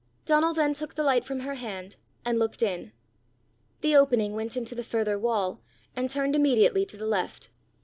Donal then took the light from her hand, and looked in. The opening went into the further wall and turned immediately to the left.